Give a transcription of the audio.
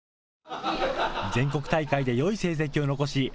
全国大会でよい成績を残し